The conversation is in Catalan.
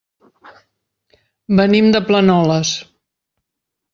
Venim de Planoles.